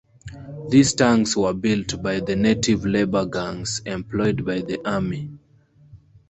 These tanks were built by the "Native labour gangs" employed by the army.